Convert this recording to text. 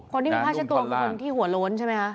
คนที่มีผ้าเช็ดตัวคือคนที่หัวโล้นใช่ไหมคะ